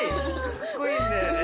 かっこいいんだよね